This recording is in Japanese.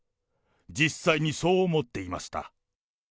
実際にそう思っていました。